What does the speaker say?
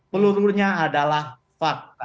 peluruhnya adalah fakta